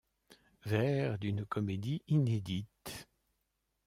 Vers d’une comédie inédite.